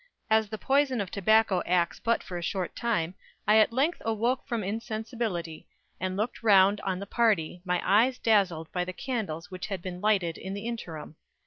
As the poison of tobacco acts but for a short time, I at length awoke from insensibility, and looked round on the party, my eyes dazzled by the candles which had been lighted in the interim.